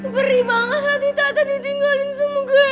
beri banget nanti tata ditinggalin sama gary